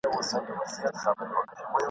د لستوڼي مار ..